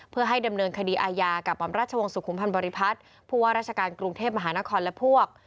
เพื่อให้ดำเนินคดีอาญากับหม่อมราชวงศุมพันธ์บริพัฒน์ผู้ว่าราชการกรุงเทพมหานครและพวก